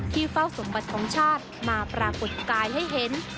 เฝ้าสมบัติของชาติมาปรากฏกายให้เห็น